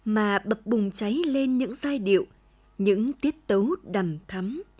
mà bập bùng cháy lên những giai điệu những tiết tấu đầm thắm